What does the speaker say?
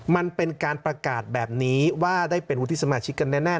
มันเป็นการประกาศแบบนี้ว่าได้เป็นวุฒิสมาชิกกันแน่